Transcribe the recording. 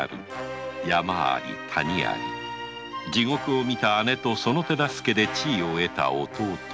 地獄を見た姉とその手助けで地位を得た弟。